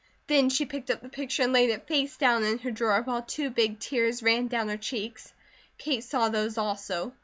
Then she picked up the picture and laid it face down in her drawer, while two big tears ran down her cheeks. Kate saw those also.